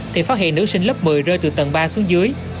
thì phát hiện nữ sinh lớp một mươi rơi từ tầng ba xuống dưới